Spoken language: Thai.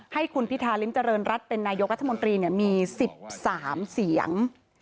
ให้คุณพิธาริมเจริญรัฐเป็นนายกรัฐมนตรีมี๑๓เสียง